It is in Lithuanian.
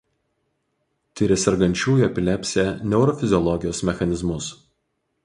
Tiria sergančiųjų epilepsija neurofiziologijos mechanizmus.